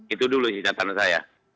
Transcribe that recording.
itu dulu istilah sana saya